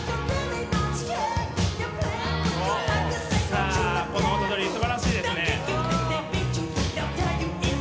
さあこの音取りすばらしいですね。